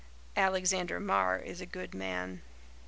Alexander Marr is a good man."